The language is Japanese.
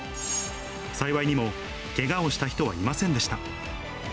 幸いにもけがをした人はいませんでした。